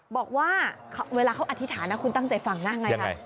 บอกว่าเวลาเขาอธิษฐานนะคุณตั้งใจฟังนะไงคะ